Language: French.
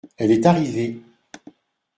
Elle est arrivée.